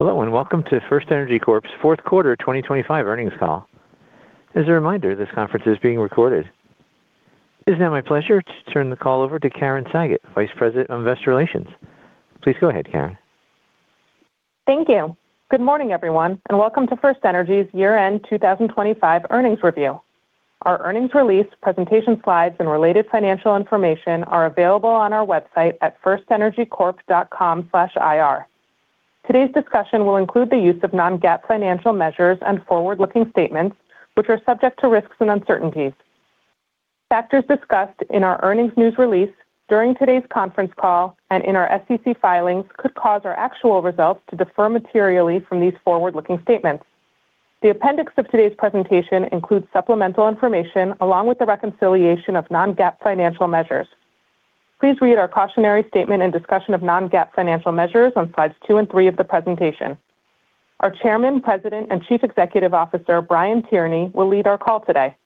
Hello, and welcome to FirstEnergy Corp.'s fourth quarter 2025 earnings call. As a reminder, this conference is being recorded. It's now my pleasure to turn the call over to Karen Sagot, Vice President of Investor Relations. Please go ahead, Karen. Thank you. Good morning, everyone, and welcome to FirstEnergy's year-end 2025 earnings review. Our earnings release, presentation slides, and related financial information are available on our website at firstenergycorp.com/ir. Today's discussion will include the use of non-GAAP financial measures and forward-looking statements, which are subject to risks and uncertainties. Factors discussed in our earnings news release, during today's conference call, and in our SEC filings could cause our actual results to differ materially from these forward-looking statements. The appendix of today's presentation includes supplemental information, along with the reconciliation of non-GAAP financial measures. Please read our cautionary statement and discussion of non-GAAP financial measures on slides 2 and 3 of the presentation. Our Chairman, President, and Chief Executive Officer, Brian Tierney, will lead our call today.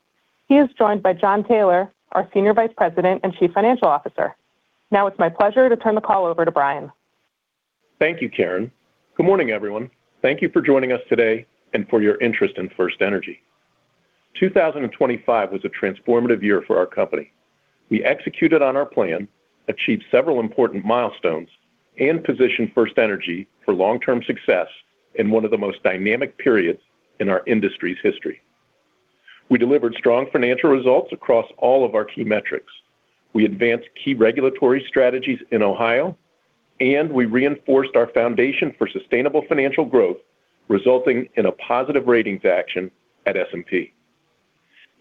He is joined by Jon Taylor, our Senior Vice President and Chief Financial Officer. Now it's my pleasure to turn the call over to Brian. Thank you, Karen. Good morning, everyone. Thank you for joining us today and for your interest in FirstEnergy. 2025 was a transformative year for our company. We executed on our plan, achieved several important milestones, and positioned FirstEnergy for long-term success in one of the most dynamic periods in our industry's history. We delivered strong financial results across all of our key metrics. We advanced key regulatory strategies in Ohio, and we reinforced our foundation for sustainable financial growth, resulting in a positive ratings action at S&P.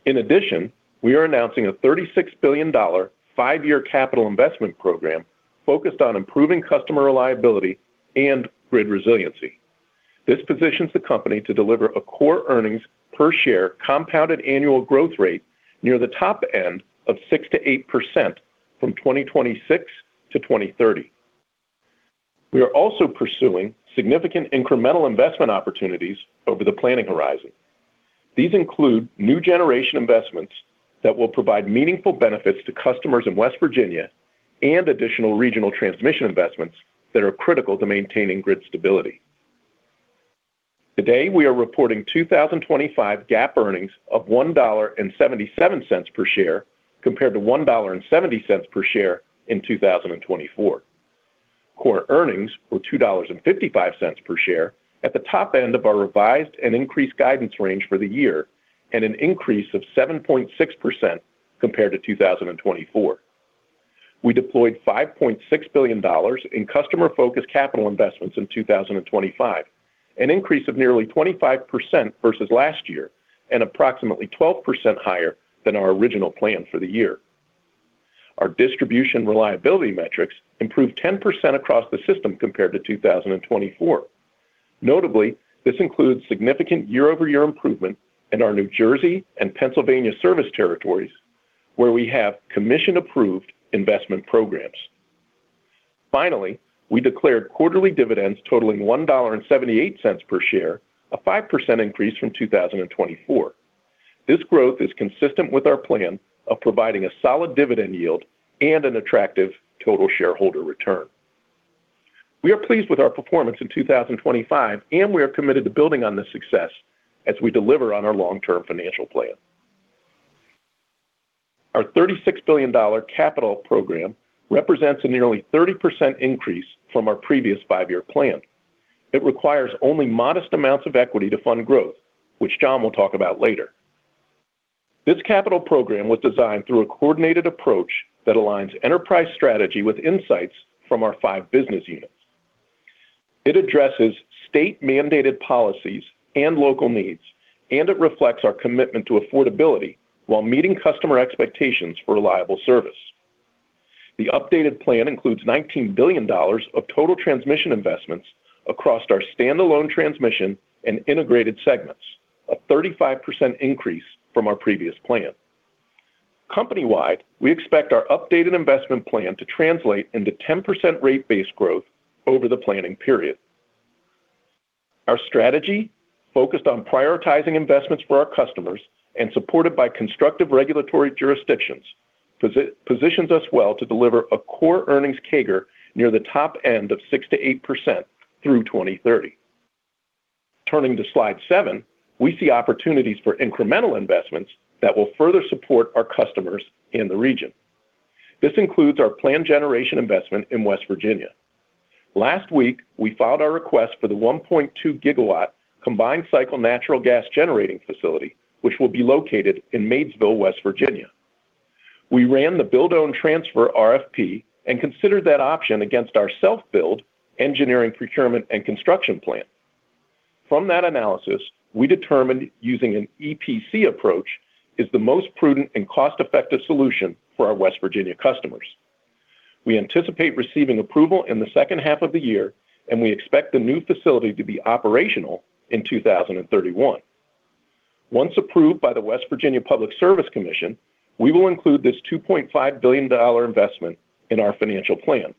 In addition, we are announcing a $36 billion, 5-year capital investment program focused on improving customer reliability and grid resiliency. This positions the company to deliver a core earnings per share, compounded annual growth rate near the top end of 6%-8% from 2026 to 2030. We are also pursuing significant incremental investment opportunities over the planning horizon. These include new generation investments that will provide meaningful benefits to customers in West Virginia and additional regional transmission investments that are critical to maintaining grid stability. Today, we are reporting 2025 GAAP earnings of $1.77 per share, compared to $1.70 per share in 2024. Core earnings were $2.55 per share at the top end of our revised and increased guidance range for the year, and an increase of 7.6% compared to 2024. We deployed $5.6 billion in customer-focused capital investments in 2025, an increase of nearly 25% versus last year and approximately 12% higher than our original plan for the year. Our distribution reliability metrics improved 10% across the system compared to 2024. Notably, this includes significant year-over-year improvement in our New Jersey and Pennsylvania service territories, where we have commission-approved investment programs. Finally, we declared quarterly dividends totaling $1.78 per share, a 5% increase from 2024. This growth is consistent with our plan of providing a solid dividend yield and an attractive total shareholder return. We are pleased with our performance in 2025, and we are committed to building on this success as we deliver on our long-term financial plan. Our $36 billion capital program represents a nearly 30% increase from our previous five-year plan. It requires only modest amounts of equity to fund growth, which Jon will talk about later. This capital program was designed through a coordinated approach that aligns enterprise strategy with insights from our five business units. It addresses state-mandated policies and local needs, and it reflects our commitment to affordability while meeting customer expectations for reliable service. The updated plan includes $19 billion of total transmission investments across our standalone transmission and integrated segments, a 35% increase from our previous plan. Company-wide, we expect our updated investment plan to translate into 10% rate base growth over the planning period. Our strategy, focused on prioritizing investments for our customers and supported by constructive regulatory jurisdictions, positions us well to deliver a core earnings CAGR near the top end of 6%-8% through 2030. Turning to slide 7, we see opportunities for incremental investments that will further support our customers in the region. This includes our planned generation investment in West Virginia. Last week, we filed our request for the 1.2 GW combined cycle natural gas generating facility, which will be located in Maidsville, West Virginia. We ran the build, own, transfer RFP and considered that option against our self-build engineering, procurement, and construction plan. From that analysis, we determined using an EPC approach is the most prudent and cost-effective solution for our West Virginia customers. We anticipate receiving approval in the second half of the year, and we expect the new facility to be operational in 2031. Once approved by the West Virginia Public Service Commission, we will include this $2.5 billion investment in our financial plan.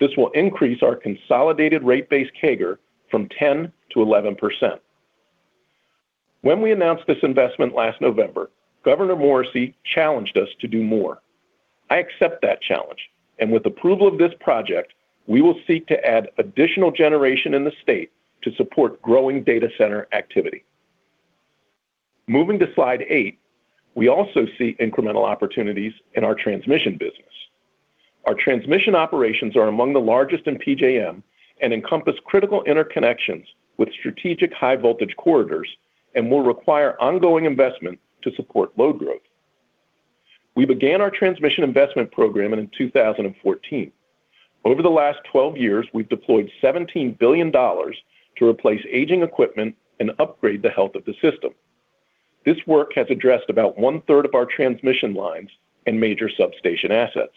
This will increase our consolidated rate base CAGR from 10%-11%.... When we announced this investment last November, Governor Morrisey challenged us to do more. I accept that challenge, and with approval of this project, we will seek to add additional generation in the state to support growing data center activity. Moving to slide 8, we also see incremental opportunities in our transmission business. Our transmission operations are among the largest in PJM and encompass critical interconnections with strategic high-voltage corridors and will require ongoing investment to support load growth. We began our transmission investment program in 2014. Over the last 12 years, we've deployed $17 billion to replace aging equipment and upgrade the health of the system. This work has addressed about one-third of our transmission lines and major substation assets.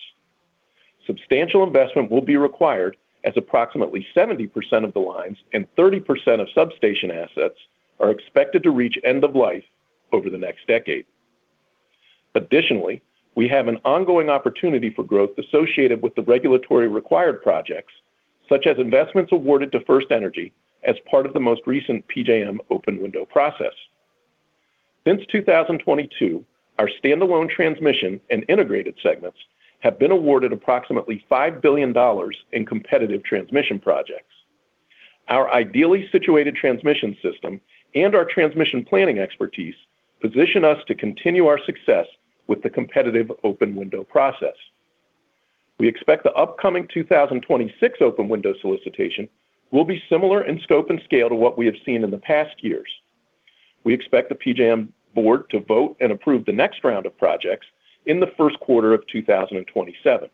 Substantial investment will be required, as approximately 70% of the lines and 30% of substation assets are expected to reach end of life over the next decade. Additionally, we have an ongoing opportunity for growth associated with the regulatory required projects, such as investments awarded to FirstEnergy as part of the most recent PJM open window process. Since 2022, our standalone transmission and integrated segments have been awarded approximately $5 billion in competitive transmission projects. Our ideally situated transmission system and our transmission planning expertise position us to continue our success with the competitive open window process. We expect the upcoming 2026 open window solicitation will be similar in scope and scale to what we have seen in the past years. We expect the PJM board to vote and approve the next round of projects in the first quarter of 2027.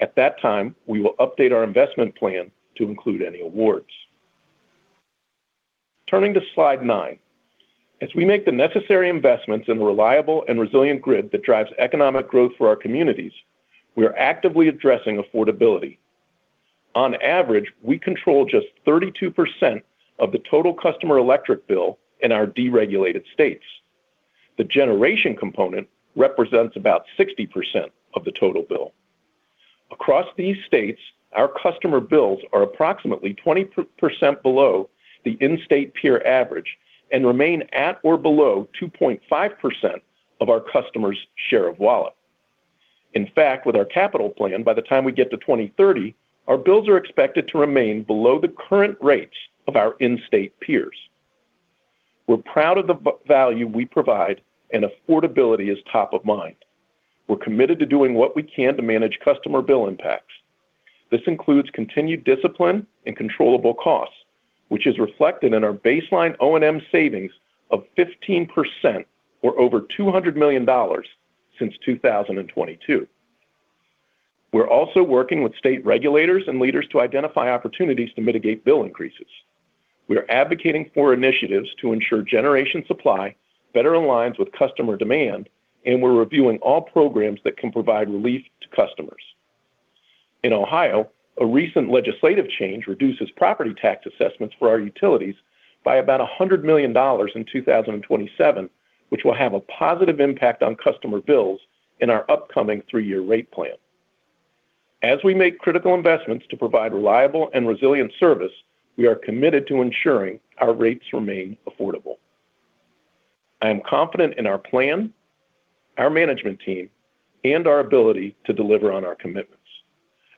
At that time, we will update our investment plan to include any awards. Turning to slide 9. As we make the necessary investments in a reliable and resilient grid that drives economic growth for our communities, we are actively addressing affordability. On average, we control just 32% of the total customer electric bill in our deregulated states. The generation component represents about 60% of the total bill. Across these states, our customer bills are approximately 20% below the in-state peer average and remain at or below 2.5% of our customers' share of wallet. In fact, with our capital plan, by the time we get to 2030, our bills are expected to remain below the current rates of our in-state peers. We're proud of the value we provide, and affordability is top of mind. We're committed to doing what we can to manage customer bill impacts. This includes continued discipline and controllable costs, which is reflected in our baseline O&M savings of 15% or over $200 million since 2022. We're also working with state regulators and leaders to identify opportunities to mitigate bill increases. We are advocating for initiatives to ensure generation supply better aligns with customer demand, and we're reviewing all programs that can provide relief to customers. In Ohio, a recent legislative change reduces property tax assessments for our utilities by about $100 million in 2027, which will have a positive impact on customer bills in our upcoming three-year rate plan. As we make critical investments to provide reliable and resilient service, we are committed to ensuring our rates remain affordable. I am confident in our plan, our management team, and our ability to deliver on our commitments.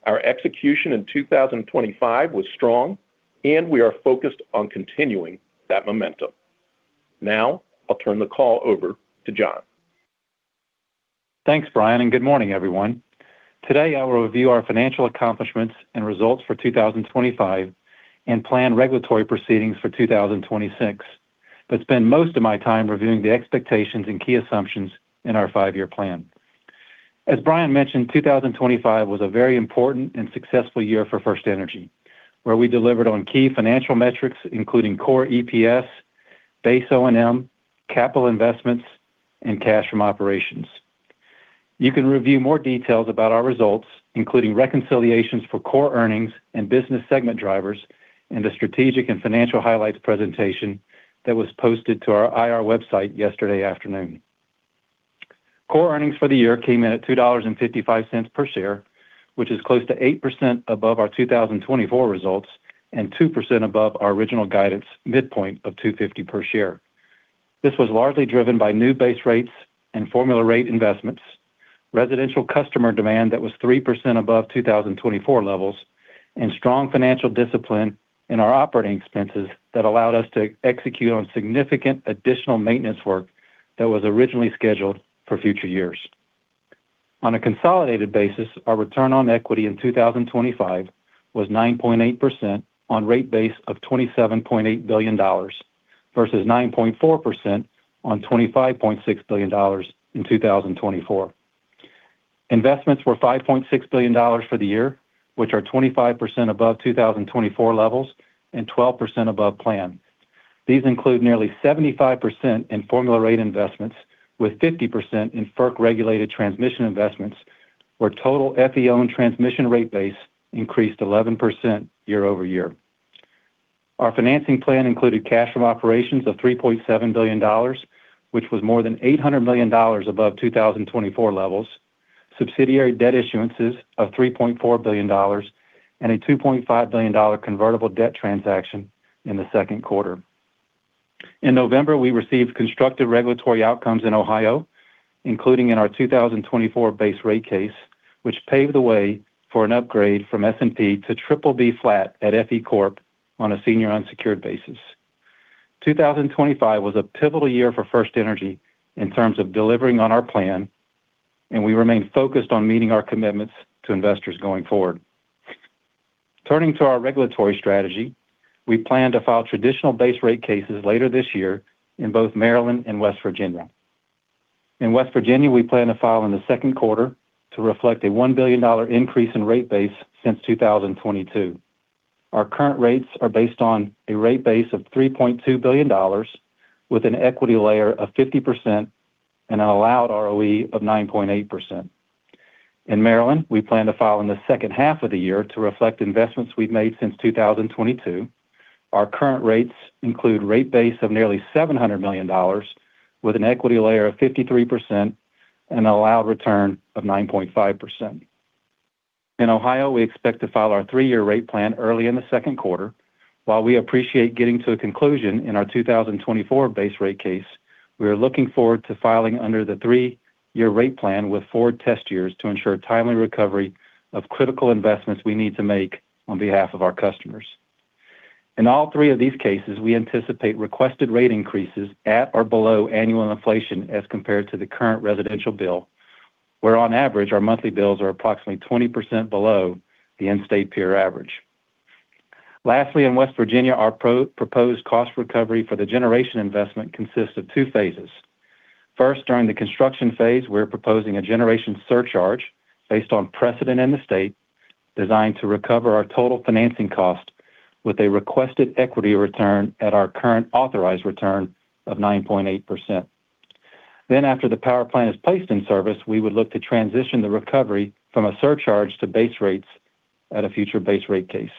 Our execution in 2025 was strong, and we are focused on continuing that momentum. Now, I'll turn the call over to Jon. Thanks, Brian, and good morning, everyone. Today, I will review our financial accomplishments and results for 2025 and plan regulatory proceedings for 2026, but spend most of my time reviewing the expectations and key assumptions in our 5-year plan. As Brian mentioned, 2025 was a very important and successful year for FirstEnergy, where we delivered on key financial metrics, including core EPS, base O&M, capital investments, and cash from operations. You can review more details about our results, including reconciliations for core earnings and business segment drivers, in the strategic and financial highlights presentation that was posted to our IR website yesterday afternoon. Core earnings for the year came in at $2.55 per share, which is close to 8% above our 2024 results and 2% above our original guidance midpoint of $2.50 per share. This was largely driven by new base rates and formula rate investments, residential customer demand that was 3% above 2024 levels, and strong financial discipline in our operating expenses that allowed us to execute on significant additional maintenance work that was originally scheduled for future years. On a consolidated basis, our return on equity in 2025 was 9.8% on rate base of $27.8 billion, versus 9.4% on $25.6 billion in 2024. Investments were $5.6 billion for the year, which are 25% above 2024 levels and 12% above plan. These include nearly 75% in formula rate investments, with 50% in FERC-regulated transmission investments, where total FEO and transmission rate base increased 11% year-over-year. Our financing plan included cash from operations of $3.7 billion, which was more than $800 million above 2024 levels, subsidiary debt issuances of $3.4 billion and a $2.5 billion convertible debt transaction in the second quarter. In November, we received constructive regulatory outcomes in Ohio, including in our 2024 base rate case, which paved the way for an upgrade from S&P to BBB flat at FE Corp on a senior unsecured basis. 2025 was a pivotal year for FirstEnergy in terms of delivering on our plan, and we remain focused on meeting our commitments to investors going forward. Turning to our regulatory strategy, we plan to file traditional base rate cases later this year in both Maryland and West Virginia. In West Virginia, we plan to file in the second quarter to reflect a $1 billion increase in rate base since 2022. Our current rates are based on a rate base of $3.2 billion, with an equity layer of 50% and an allowed ROE of 9.8%. In Maryland, we plan to file in the second half of the year to reflect investments we've made since 2022. Our current rates include rate base of nearly $700 million, with an equity layer of 53% and an allowed return of 9.5%. In Ohio, we expect to file our three-year rate plan early in the second quarter. While we appreciate getting to a conclusion in our 2024 base rate case, we are looking forward to filing under the three-year rate plan with four test years to ensure timely recovery of critical investments we need to make on behalf of our customers. In all three of these cases, we anticipate requested rate increases at or below annual inflation as compared to the current residential bill, where on average, our monthly bills are approximately 20% below the in-state peer average. Lastly, in West Virginia, our proposed cost recovery for the generation investment consists of two phases. First, during the construction phase, we're proposing a generation surcharge based on precedent in the state, designed to recover our total financing cost with a requested equity return at our current authorized return of 9.8%. Then, after the power plant is placed in service, we would look to transition the recovery from a surcharge to base rates at a future base rate case.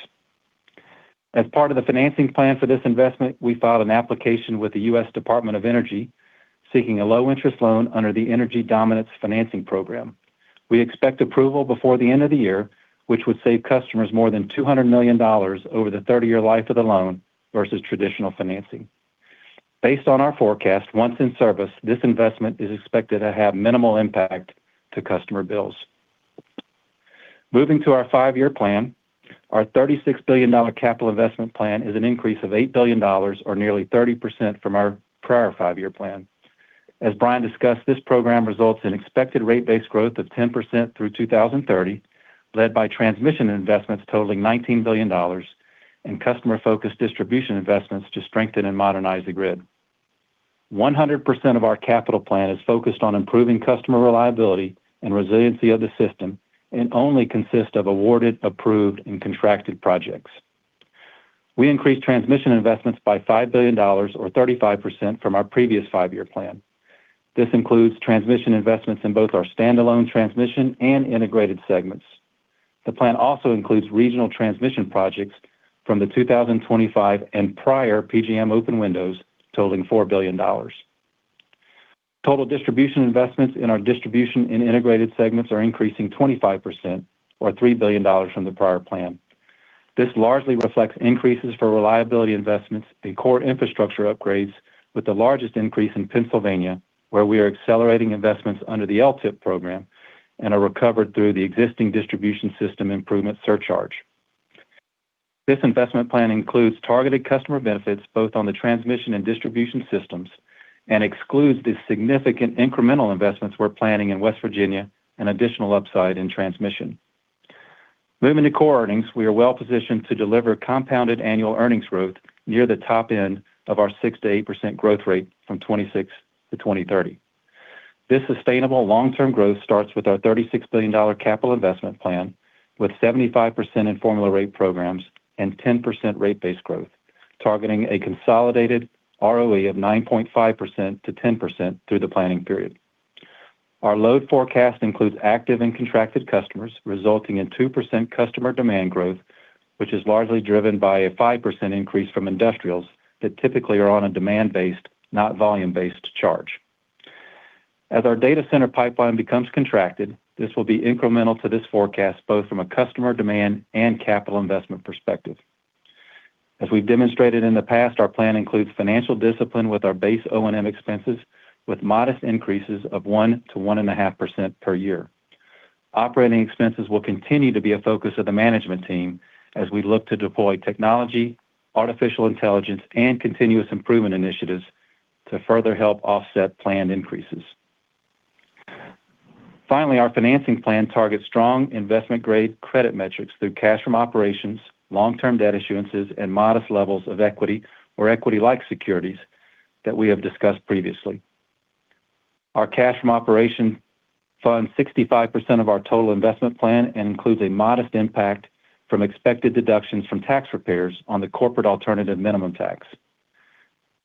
As part of the financing plan for this investment, we filed an application with the U.S. Department of Energy, seeking a low-interest loan under the Energy Dominance Financing Program. We expect approval before the end of the year, which would save customers more than $200 million over the 30-year life of the loan versus traditional financing. Based on our forecast, once in service, this investment is expected to have minimal impact to customer bills. Moving to our 5-year plan, our $36 billion capital investment plan is an increase of $8 billion or nearly 30% from our prior 5-year plan. As Brian discussed, this program results in expected rate based growth of 10% through 2030, led by transmission investments totaling $19 billion and customer-focused distribution investments to strengthen and modernize the grid. 100% of our capital plan is focused on improving customer reliability and resiliency of the system and only consists of awarded, approved, and contracted projects. We increased transmission investments by $5 billion or 35% from our previous 5-year plan. This includes transmission investments in both our standalone transmission and integrated segments. The plan also includes regional transmission projects from the 2025 and prior PJM open windows totaling $4 billion. Total distribution investments in our distribution and integrated segments are increasing 25% or $3 billion from the prior plan. This largely reflects increases for reliability investments and core infrastructure upgrades, with the largest increase in Pennsylvania, where we are accelerating investments under the LTIP program and are recovered through the existing distribution system improvement surcharge. This investment plan includes targeted customer benefits, both on the transmission and distribution systems, and excludes the significant incremental investments we're planning in West Virginia and additional upside in transmission. Moving to core earnings, we are well positioned to deliver compounded annual earnings growth near the top end of our 6%-8% growth rate from 2026 to 2030. This sustainable long-term growth starts with our $36 billion capital investment plan, with 75% in formula rate programs and 10% rate base growth, targeting a consolidated ROE of 9.5%-10% through the planning period. Our load forecast includes active and contracted customers, resulting in 2% customer demand growth, which is largely driven by a 5% increase from industrials that typically are on a demand-based, not volume-based charge. As our data center pipeline becomes contracted, this will be incremental to this forecast, both from a customer demand and capital investment perspective. As we've demonstrated in the past, our plan includes financial discipline with our base O&M expenses, with modest increases of 1%-1.5% per year. Operating expenses will continue to be a focus of the management team as we look to deploy technology, artificial intelligence, and continuous improvement initiatives to further help offset planned increases. Finally, our financing plan targets strong investment-grade credit metrics through cash from operations, long-term debt issuances, and modest levels of equity or equity-like securities that we have discussed previously. Our cash from operations funds 65% of our total investment plan and includes a modest impact from expected deductions from tax prepays on the corporate alternative minimum tax.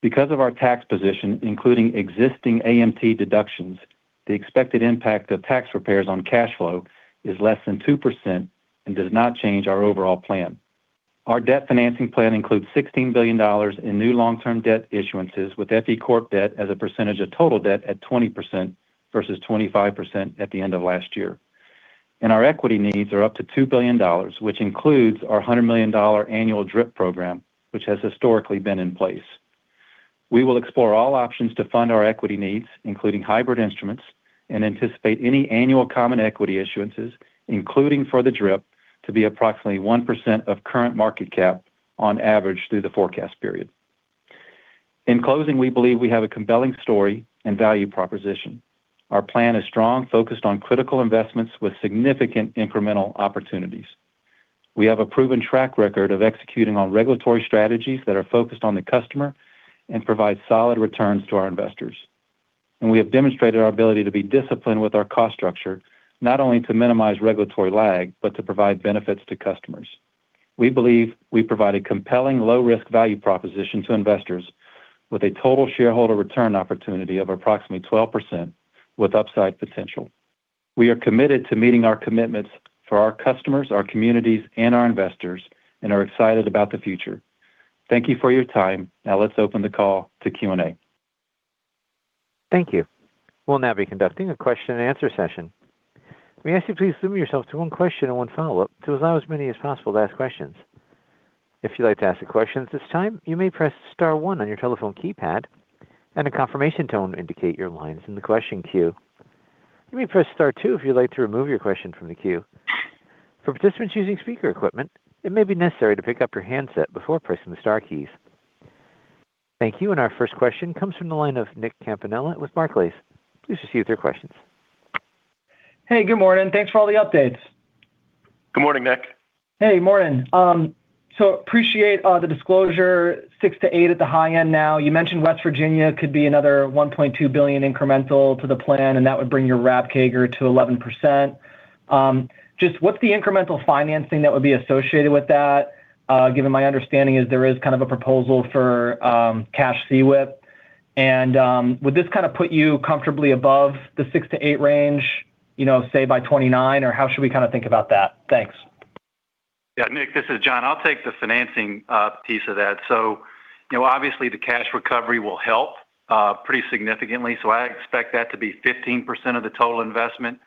Because of our tax position, including existing AMT deductions, the expected impact of tax prepays on cash flow is less than 2% and does not change our overall plan. Our debt financing plan includes $16 billion in new long-term debt issuances, with FE Corp debt as a percentage of total debt at 20% versus 25% at the end of last year. Our equity needs are up to $2 billion, which includes our $100 million annual DRIP program, which has historically been in place. We will explore all options to fund our equity needs, including hybrid instruments, and anticipate any annual common equity issuances, including for the DRIP, to be approximately 1% of current market cap on average through the forecast period. In closing, we believe we have a compelling story and value proposition. Our plan is strong, focused on critical investments with significant incremental opportunities. We have a proven track record of executing on regulatory strategies that are focused on the customer and provide solid returns to our investors. We have demonstrated our ability to be disciplined with our cost structure, not only to minimize regulatory lag, but to provide benefits to customers. We believe we provide a compelling, low-risk value proposition to investors with a total shareholder return opportunity of approximately 12% with upside potential. We are committed to meeting our commitments for our customers, our communities, and our investors and are excited about the future. Thank you for your time. Now let's open the call to Q&A. Thank you. We'll now be conducting a question-and-answer session. We ask you to please limit yourself to one question and one follow-up, to allow as many as possible to ask questions. If you'd like to ask a question at this time, you may press star one on your telephone keypad, and a confirmation tone will indicate your line is in the question queue. You may press star two if you'd like to remove your question from the queue. For participants using speaker equipment, it may be necessary to pick up your handset before pressing the star keys. Thank you, and our first question comes from the line of Nick Campanella with Barclays. Please proceed with your questions. Hey, good morning. Thanks for all the updates. Good morning, Nick. Hey, morning. So, appreciate the disclosure, 6-8 at the high end now. You mentioned West Virginia could be another $1.2 billion incremental to the plan, and that would bring your RAB CAGR to 11%. Just what's the incremental financing that would be associated with that, given my understanding is there is kind of a proposal for cash CWIP, and would this kind of put you comfortably above the 6-8 range, you know, say by 2029, or how should we kind of think about that? Thanks. Yeah, Nick, this is Jon. I'll take the financing piece of that. You know, obviously, the cash recovery will help pretty significantly. I expect that to be 15% of the total investment.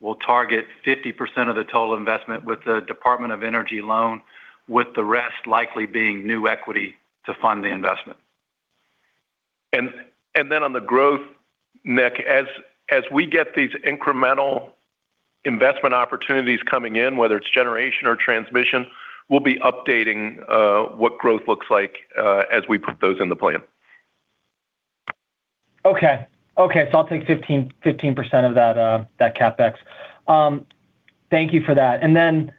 We'll target 50% of the total investment with the Department of Energy loan, with the rest likely being new equity to fund the investment. And then on the growth, Nick, as we get these incremental investment opportunities coming in, whether it's generation or transmission, we'll be updating what growth looks like as we put those in the plan. Okay. Okay, so I'll take 15, 15% of that, that CapEx. Thank you for that. And then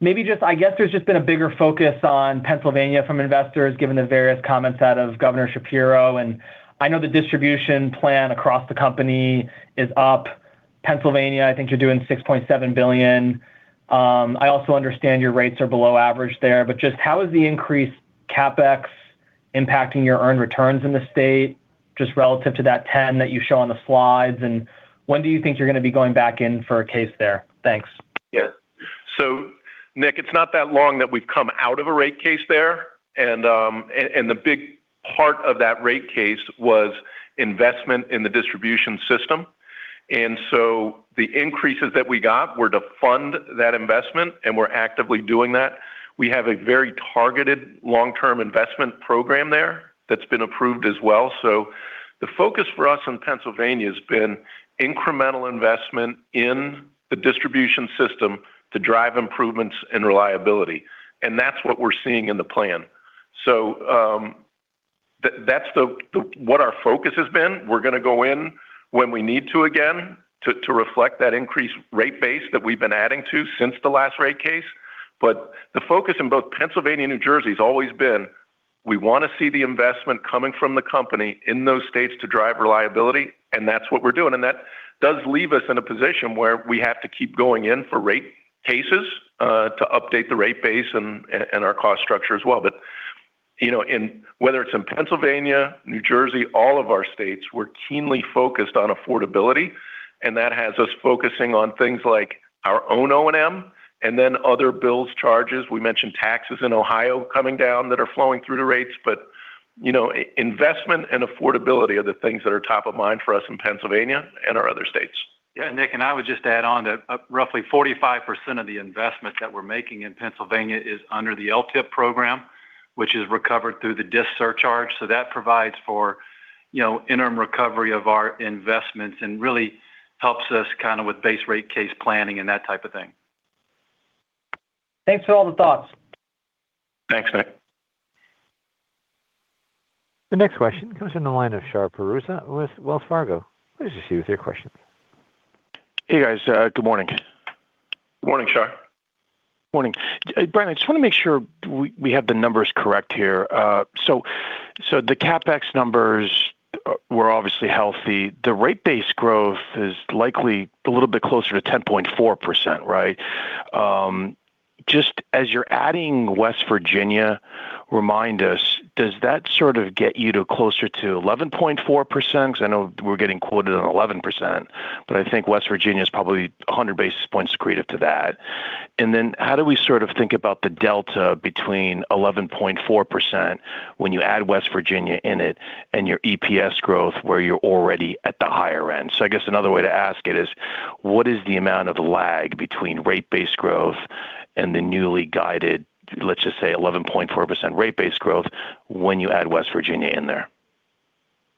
maybe just I guess there's just been a bigger focus on Pennsylvania from investors, given the various comments out of Governor Shapiro, and I know the distribution plan across the company is up. Pennsylvania, I think you're doing $6.7 billion. I also understand your rates are below average there, but just how is the increased CapEx impacting your earned returns in the state, just relative to that 10 that you show on the slides? And when do you think you're going to be going back in for a case there? Thanks. Yeah. So Nick, it's not that long that we've come out of a rate case there, and, and the big part of that rate case was investment in the distribution system. And so the increases that we got were to fund that investment, and we're actively doing that. We have a very targeted long-term investment program there that's been approved as well. So the focus for us in Pennsylvania has been incremental investment in the distribution system to drive improvements and reliability, and that's what we're seeing in the plan. So, that's what our focus has been. We're going to go in when we need to again to reflect that increased rate base that we've been adding to since the last rate case. But the focus in both Pennsylvania and New Jersey has always been: we want to see the investment coming from the company in those states to drive reliability, and that's what we're doing. And that does leave us in a position where we have to keep going in for rate cases, to update the rate base and, and our cost structure as well. But you know, in whether it's in Pennsylvania, New Jersey, all of our states, we're keenly focused on affordability, and that has us focusing on things like our own O&M and then other bills charges. We mentioned taxes in Ohio coming down that are flowing through the rates, but, you know, investment and affordability are the things that are top of mind for us in Pennsylvania and our other states. Yeah, Nick, and I would just add on to roughly 45% of the investment that we're making in Pennsylvania is under the LTIP program, which is recovered through the DSIC surcharge. So that provides for, you know, interim recovery of our investments and really helps us kind of with base rate case planning and that type of thing. Thanks for all the thoughts. Thanks, Nick. The next question comes in the line of Shar Pourreza with Wells Fargo. Please proceed with your question. Hey, guys. Good morning. Morning, Shar. Morning. Brian, I just want to make sure we, we have the numbers correct here. So, so the CapEx numbers were obviously healthy. The rate base growth is likely a little bit closer to 10.4%, right? Just as you're adding West Virginia, remind us, does that sort of get you to closer to 11.4%? Because I know we're getting quoted on 11%, but I think West Virginia is probably 100 basis points accretive to that. And then how do we sort of think about the delta between 11.4% when you add West Virginia in it and your EPS growth, where you're already at the higher end? So I guess another way to ask it is: what is the amount of lag between rate based growth and the newly guided, let's just say, 11.4% rate based growth when you add West Virginia in there?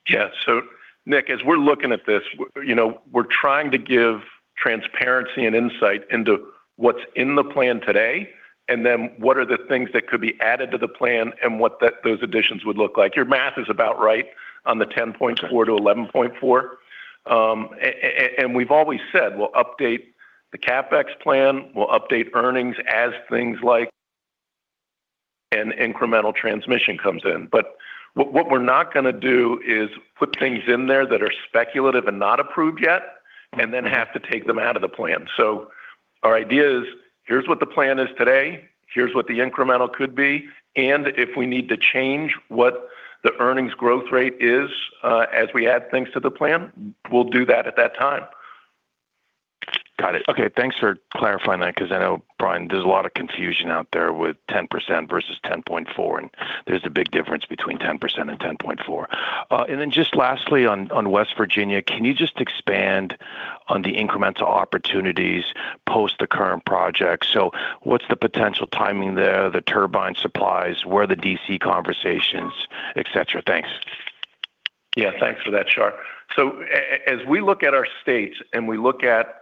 Yeah. So Nick, as we're looking at this, you know, we're trying to give transparency and insight into what's in the plan today, and then what are the things that could be added to the plan and what those additions would look like. Your math is about right on the 10.4-11.4. And we've always said we'll update the CapEx plan, we'll update earnings as things like an incremental transmission comes in. But what we're not gonna do is put things in there that are speculative and not approved yet, and then have to take them out of the plan. So our idea is, here's what the plan is today, here's what the incremental could be, and if we need to change what the earnings growth rate is, as we add things to the plan, we'll do that at that time. Got it. Okay, thanks for clarifying that, because I know, Brian, there's a lot of confusion out there with 10% versus 10.4%, and there's a big difference between 10% and 10.4%. And then just lastly on West Virginia, can you just expand on the incremental opportunities post the current project? So what's the potential timing there, the turbine supplies, where are the D.C. conversations, et cetera? Thanks. Yeah, thanks for that, Shar. So as we look at our states and we look at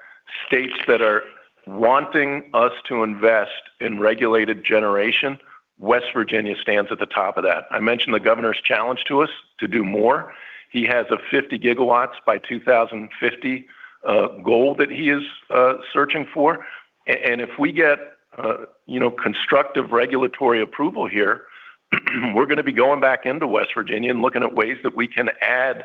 states that are wanting us to invest in regulated generation, West Virginia stands at the top of that. I mentioned the governor's challenge to us to do more. He has 50 gigawatts by 2050 goal that he is searching for. And if we get, you know, constructive regulatory approval here, we're going to be going back into West Virginia and looking at ways that we can add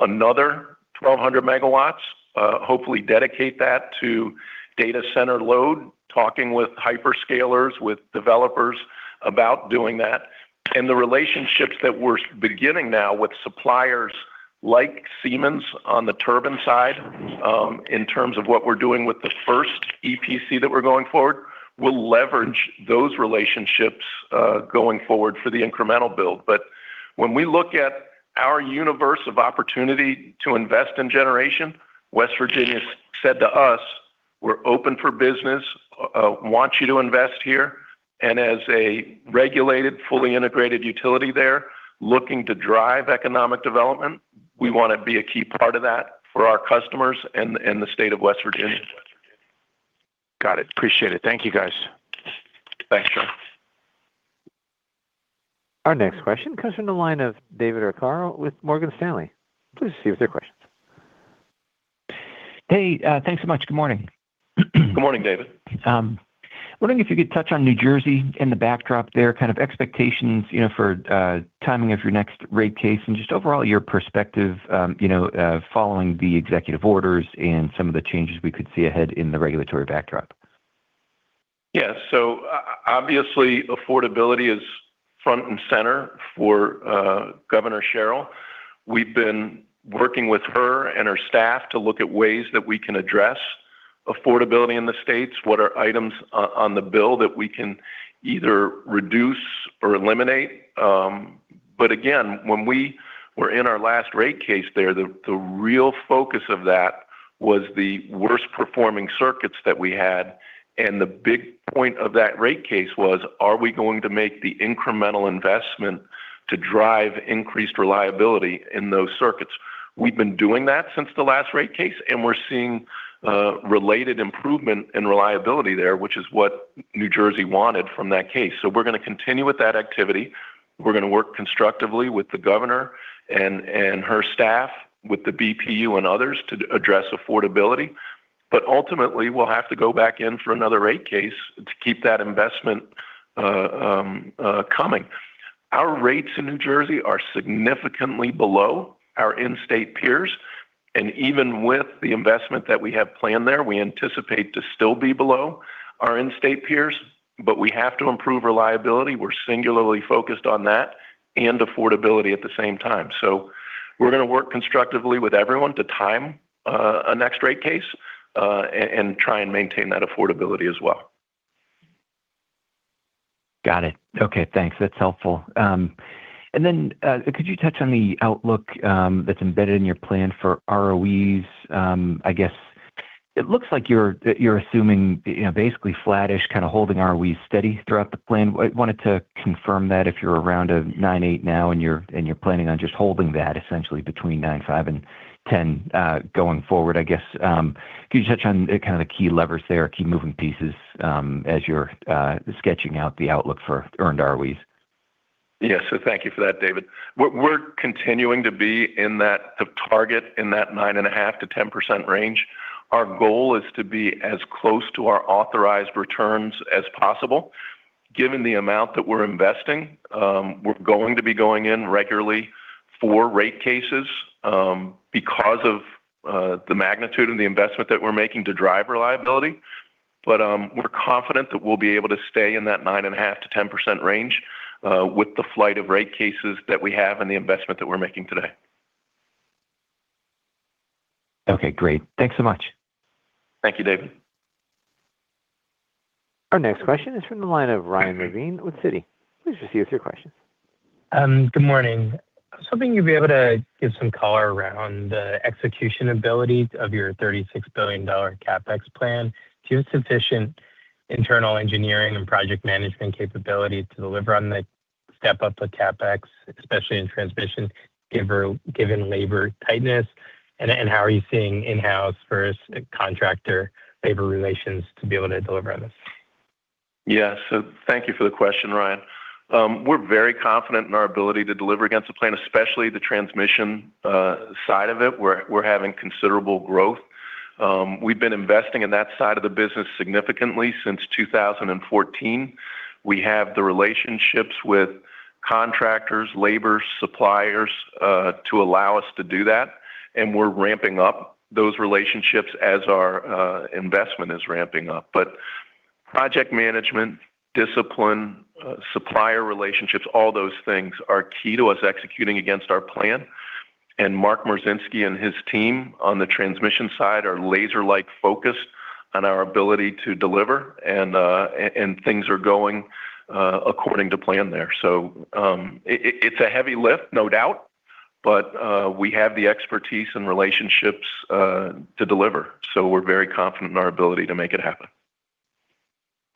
another 1,200 megawatts, hopefully dedicate that to data center load, talking with hyperscalers, with developers about doing that. And the relationships that we're beginning now with suppliers like Siemens on the turbine side, in terms of what we're doing with the first EPC that we're going forward, we'll leverage those relationships, going forward for the incremental build. But when we look at our universe of opportunity to invest in generation, West Virginia has said to us, "We're open for business, want you to invest here." And as a regulated, fully integrated utility there, looking to drive economic development, we want to be a key part of that for our customers and the state of West Virginia. Got it. Appreciate it. Thank you, guys. Thanks, Char. Our next question comes from the line of David Arcaro with Morgan Stanley. Please proceed with your questions. Hey, thanks so much. Good morning. Good morning, David. Wondering if you could touch on New Jersey and the backdrop there, kind of expectations, you know, for timing of your next rate case and just overall, your perspective, you know, following the executive orders and some of the changes we could see ahead in the regulatory backdrop? Yeah, so obviously, affordability is front and center for Governor Sherrill. We've been working with her and her staff to look at ways that we can address affordability in the states. What are items on the bill that we can either reduce or eliminate? But again, when we were in our last rate case there, the real focus of that was the worst-performing circuits that we had, and the big point of that rate case was: Are we going to make the incremental investment to drive increased reliability in those circuits? We've been doing that since the last rate case, and we're seeing related improvement in reliability there, which is what New Jersey wanted from that case. So we're gonna continue with that activity. We're gonna work constructively with the governor and her staff, with the BPU and others to address affordability. But ultimately, we'll have to go back in for another rate case to keep that investment coming. Our rates in New Jersey are significantly below our in-state peers, and even with the investment that we have planned there, we anticipate to still be below our in-state peers, but we have to improve reliability. We're singularly focused on that and affordability at the same time. So we're gonna work constructively with everyone to time a next rate case and try and maintain that affordability as well. Got it. Okay, thanks. That's helpful. Could you touch on the outlook that's embedded in your plan for ROEs? I guess it looks like you're assuming, you know, basically flattish, kind of holding ROEs steady throughout the plan. I wanted to confirm that if you're around a 9.8 now and you're planning on just holding that essentially between 9.5-10 going forward. I guess, could you touch on kind of the key levers there or key moving pieces, as you're sketching out the outlook for earned ROEs? Yeah, thank you for that, David. We're continuing to be in the target in that 9.5%-10% range. Our goal is to be as close to our authorized returns as possible, given the amount that we're investing. We're going to be going in regularly for rate cases, because of the magnitude and the investment that we're making to drive reliability. We're confident that we'll be able to stay in that 9.5%-10% range, with the flight of rate cases that we have and the investment that we're making today. Okay, great. Thanks so much. Thank you, David. Our next question is from the line of Ryan Levine with Citi. Please just give us your questions. Good morning. I was hoping you'd be able to give some color around the execution abilities of your $36 billion CapEx plan. Do you have sufficient internal engineering and project management capability to deliver on the step-up of CapEx, especially in transmission, given labor tightness? And how are you seeing in-house versus contractor labor relations to be able to deliver on this? Yeah. So thank you for the question, Ryan. We're very confident in our ability to deliver against the plan, especially the transmission side of it, where we're having considerable growth. We've been investing in that side of the business significantly since 2014. We have the relationships with contractors, labor, suppliers to allow us to do that, and we're ramping up those relationships as our investment is ramping up. But project management, discipline, supplier relationships, all those things are key to us executing against our plan. And Mark Mroczynski and his team on the transmission side are laser-like focused on our ability to deliver, and things are going according to plan there. So, it's a heavy lift, no doubt, but we have the expertise and relationships to deliver. So we're very confident in our ability to make it happen.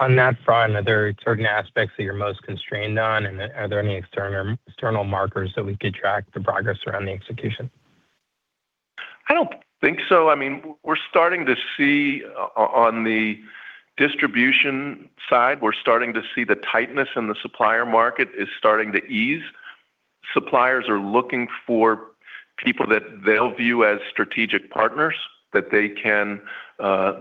On that front, are there certain aspects that you're most constrained on? Are there any external, external markers that we could track the progress around the execution? I don't think so. I mean, we're starting to see on the distribution side, we're starting to see the tightness in the supplier market is starting to ease. Suppliers are looking for people that they'll view as strategic partners, that they can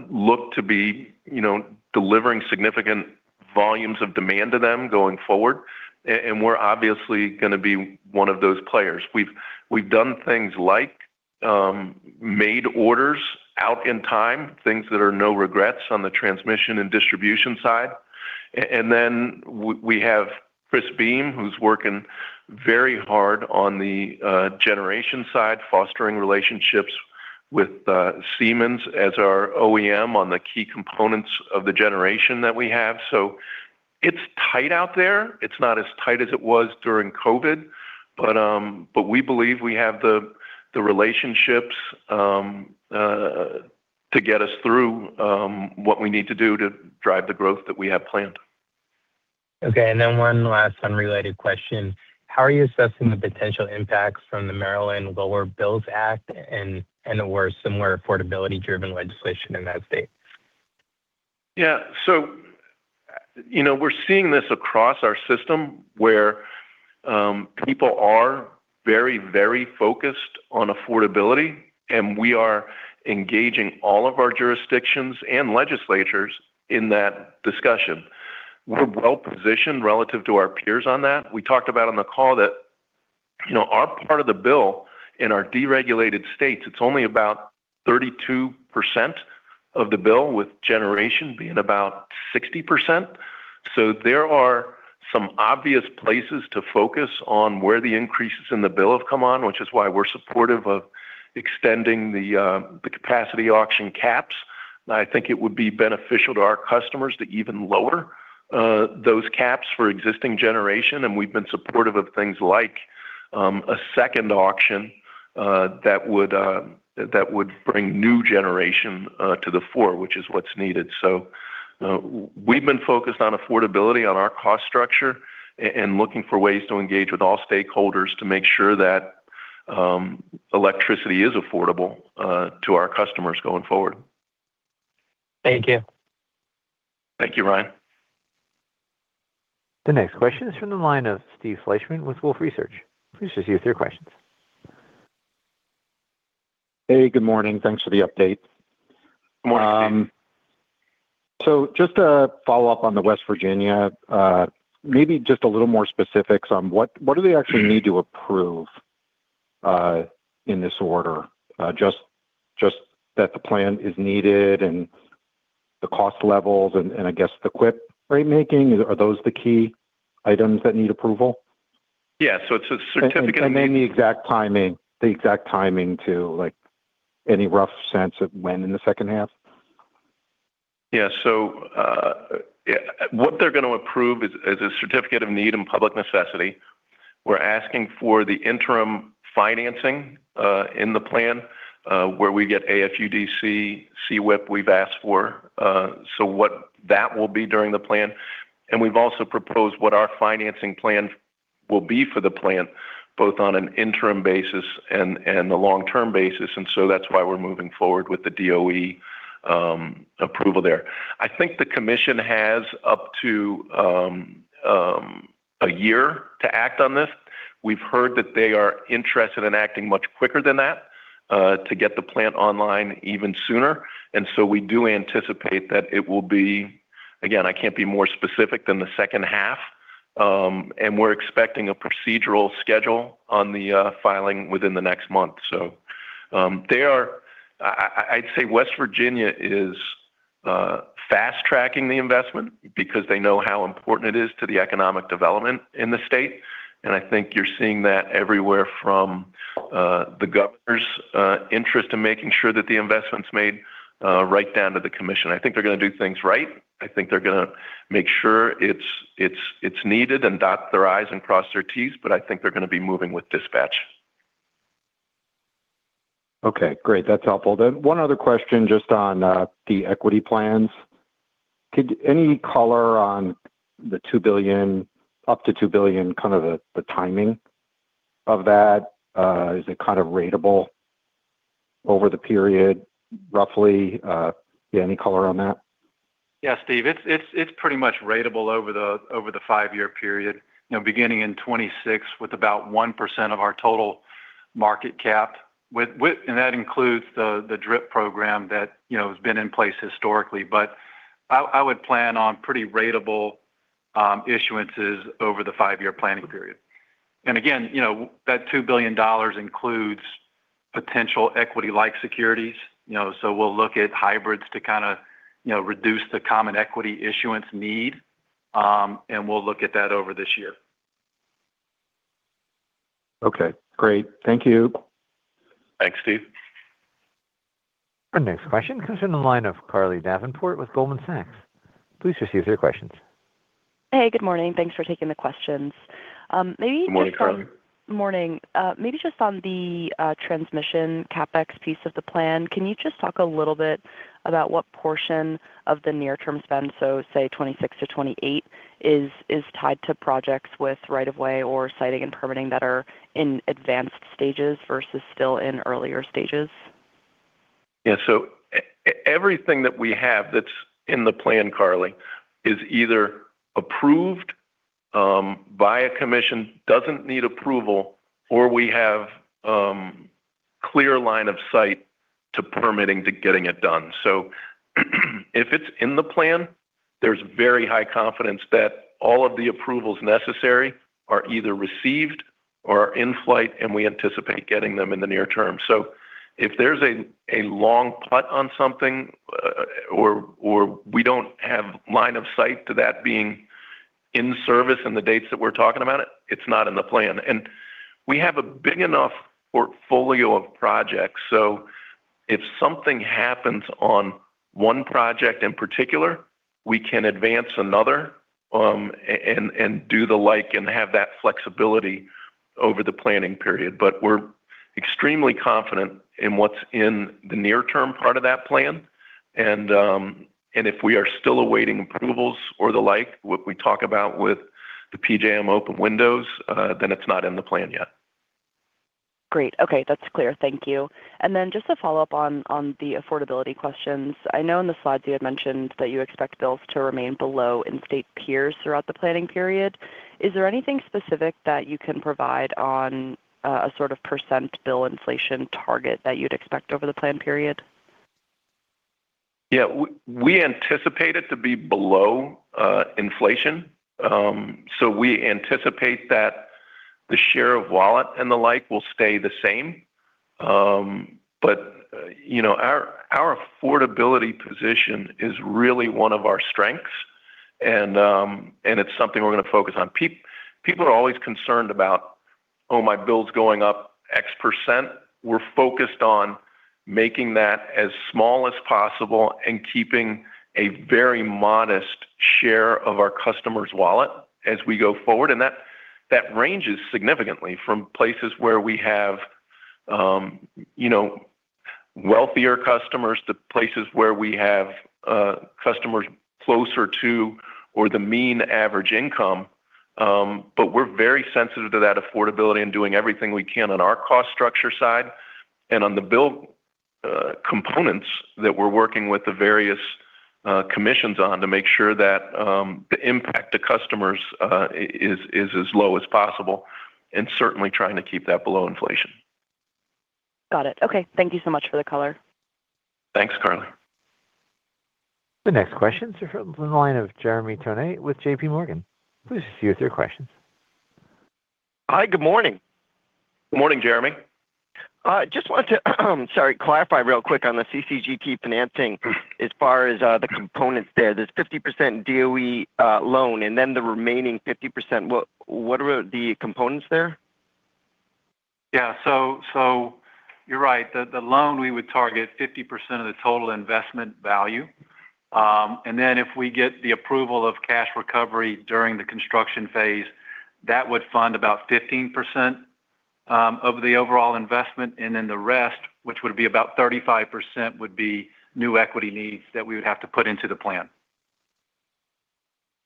look to be, you know, delivering significant volumes of demand to them going forward. And we're obviously gonna be one of those players. We've done things like made orders out in time, things that are no regrets on the transmission and distribution side. And then we have Chris Beam, who's working very hard on the generation side, fostering relationships with Siemens as our OEM on the key components of the generation that we have. So it's tight out there. It's not as tight as it was during COVID, but we believe we have the relationships to get us through what we need to do to drive the growth that we have planned. Okay, and then one last unrelated question: How are you assessing the potential impacts from the Maryland Lower Bills Act and the more similar affordability-driven legislation in that state? Yeah. So, you know, we're seeing this across our system where people are very, very focused on affordability, and we are engaging all of our jurisdictions and legislatures in that discussion. We're well-positioned relative to our peers on that. We talked about on the call that, you know, our part of the bill in our deregulated states, it's only about 32% of the bill, with generation being about 60%. So there are some obvious places to focus on where the increases in the bill have come on, which is why we're supportive of extending the, the capacity auction caps. I think it would be beneficial to our customers to even lower those caps for existing generation, and we've been supportive of things like a second auction that would that would bring new generation to the fore, which is what's needed. So, we've been focused on affordability, on our cost structure, and looking for ways to engage with all stakeholders to make sure that electricity is affordable to our customers going forward. Thank you. Thank you, Ryan. The next question is from the line of Steve Fleishman with Wolfe Research. Please just give your questions. Hey, good morning. Thanks for the update. Good morning. So just to follow up on the West Virginia, maybe just a little more specifics on what do they actually need to approve in this order? Just that the plan is needed and the cost levels and I guess the CWIP rate making, are those the key items that need approval? Yeah, so it's a certificate- And then the exact timing, the exact timing to, like, any rough sense of when in the second half? Yeah. So, yeah, what they're gonna approve is a certificate of need and public necessity. We're asking for the interim financing in the plan where we get AFUDC, CWIP. We've asked for so what that will be during the plan. And we've also proposed what our financing plan will be for the plan, both on an interim basis and a long-term basis, and so that's why we're moving forward with the DOE approval there. I think the commission has up to a year to act on this. We've heard that they are interested in acting much quicker than that to get the plant online even sooner, and so we do anticipate that it will be. Again, I can't be more specific than the second half... and we're expecting a procedural schedule on the filing within the next month. So, they are, I'd say West Virginia is fast-tracking the investment because they know how important it is to the economic development in the state, and I think you're seeing that everywhere from the governor's interest in making sure that the investment's made, right down to the commission. I think they're gonna do things right. I think they're gonna make sure it's needed, and dot their i's and cross their t's, but I think they're gonna be moving with dispatch. Okay, great. That's helpful. Then one other question just on the equity plans. Could any color on the $2 billion up to $2 billion, kind of, the timing of that? Yeah, any color on that? Yeah, Steve, it's pretty much ratable over the 5-year period. You know, beginning in 2026, with about 1% of our total market cap. With, and that includes the DRIP program that, you know, has been in place historically. But I would plan on pretty ratable issuances over the 5-year planning period. And again, you know, that $2 billion includes potential equity-like securities, you know, so we'll look at hybrids to kinda, you know, reduce the common equity issuance need, and we'll look at that over this year. Okay, great. Thank you. Thanks, Steve. Our next question comes from the line of Carly Davenport with Goldman Sachs. Please proceed with your questions. Hey, good morning. Thanks for taking the questions. Maybe- Good morning, Carly. Morning. Maybe just on the transmission CapEx piece of the plan, can you just talk a little bit about what portion of the near-term spend, so say 2026-2028, is tied to projects with right of way or siting and permitting that are in advanced stages versus still in earlier stages? Yeah, so everything that we have that's in the plan, Carly, is either approved by a commission, doesn't need approval, or we have clear line of sight to permitting to getting it done. So if it's in the plan, there's very high confidence that all of the approvals necessary are either received or are in flight, and we anticipate getting them in the near term. So if there's a long putt on something, or we don't have line of sight to that being in service and the dates that we're talking about it, it's not in the plan. And we have a big enough portfolio of projects, so if something happens on one project in particular, we can advance another, and do the like, and have that flexibility over the planning period. But we're extremely confident in what's in the near-term part of that plan, and if we are still awaiting approvals or the like, what we talk about with the PJM open windows, then it's not in the plan yet. Great. Okay, that's clear. Thank you. And then just to follow up on, on the affordability questions. I know in the slides you had mentioned that you expect bills to remain below in-state peers throughout the planning period. Is there anything specific that you can provide on, a sort of % bill inflation target that you'd expect over the plan period? Yeah, we anticipate it to be below inflation. So we anticipate that the share of wallet and the like will stay the same. But, you know, our affordability position is really one of our strengths, and it's something we're gonna focus on. People are always concerned about, "Oh, my bill's going up X%." We're focused on making that as small as possible and keeping a very modest share of our customers' wallet as we go forward, and that ranges significantly from places where we have, you know, wealthier customers to places where we have customers closer to or the mean average income. But we're very sensitive to that affordability and doing everything we can on our cost structure side and on the bill components that we're working with the various commissions on to make sure that the impact to customers is as low as possible and certainly trying to keep that below inflation. Got it. Okay, thank you so much for the color. Thanks, Carly. The next question is from the line of Jeremy Tonet with J.P. Morgan. Please proceed with your questions. Hi, good morning. Good morning, Jeremy. Just wanted to, sorry, clarify real quick on the CCGT financing. As far as the components there, there's 50% DOE loan, and then the remaining 50%, what are the components there? Yeah, so, so you're right. The loan, we would target 50% of the total investment value. And then if we get the approval of cash recovery during the construction phase, that would fund about 15% of the overall investment, and then the rest, which would be about 35%, would be new equity needs that we would have to put into the plan.